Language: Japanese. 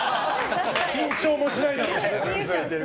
緊張もしないだろうしね。